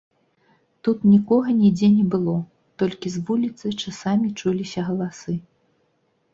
Тут нікога нідзе не было, толькі з вуліцы часамі чуліся галасы.